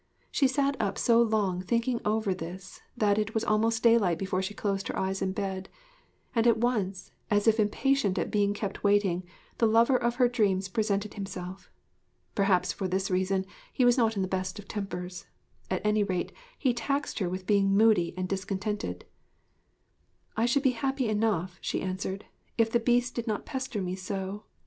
She sat up so long thinking over this that it was almost daylight before she closed her eyes in bed; and at once, as if impatient at being kept waiting, the lover of her dreams presented himself. Perhaps for this reason he was not in the best of tempers; at any rate he taxed her with being moody and discontented. 'I should be happy enough,' she answered, 'if the Beast did not pester me so.